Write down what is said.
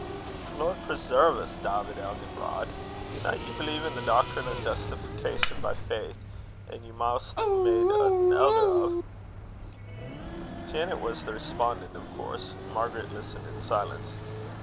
"The Lord preserve's, Dawvid Elginbrod! Dinna ye believe i' the doctrine o' Justification by Faith, an' you a'maist made an elder o'?" Janet was the respondent, of course, Margaret listening in silence.